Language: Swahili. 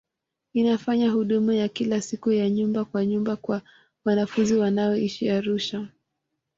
Inafanya huduma ya kila siku ya nyumba kwa nyumba kwa wanafunzi wanaoishi Arusha.